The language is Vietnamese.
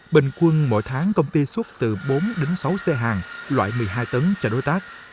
bình quân mỗi tháng công ty xuất từ bốn đến sáu xe hàng loại một mươi hai tấn cho đối tác